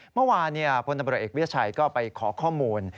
เมื่อวานพลตำรวจเอกวิทยาชัยก็ไปขอข้อมูล